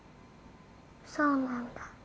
そうなんだ。